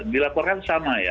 dilaporkan sama ya